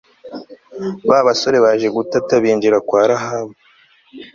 ba basore baje gutata binjira kwa rahabu